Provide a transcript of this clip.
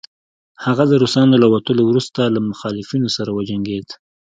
هغه د روسانو له وتلو وروسته له مخالفينو سره وجنګيد